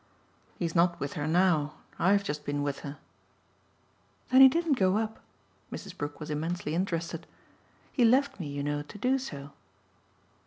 "He's not with her now. I've just been with her." "Then he didn't go up?" Mrs. Brook was immensely interested. "He left me, you know, to do so."